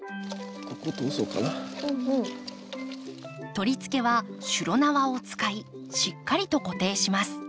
取り付けはしゅろ縄を使いしっかりと固定します。